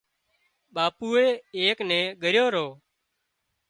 ٻاپوئي ايڪ نين ڳريو رو